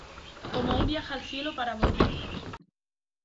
Como un viaje al cielo para volver.